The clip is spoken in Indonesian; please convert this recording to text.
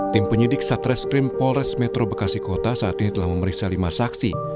tim penyidik satreskrim polres metro bekasi kota saat ini telah memeriksa lima saksi